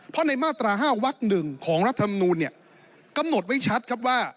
เพราะในมาตรา๕วัก๑ของรัฐธรรมนูลเนี่ยกำหนดไว้ชัดครับว่า